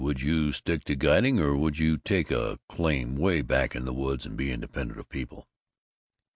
Would you stick to guiding, or would you take a claim 'way back in the woods and be independent of people?"